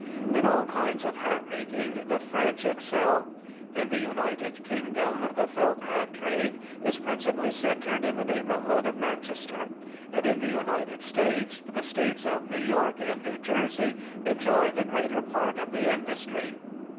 In all kinds of hat making the French excel; in the United Kingdom the felt hat trade is principally centred in the neighbourhood of Manchester; and in the United States the States of New York and New Jersey enjoy the greater part of the industry.